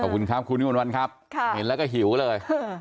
ขอบคุณครับคุณวิมวลวันครับเห็นแล้วก็หิวเลย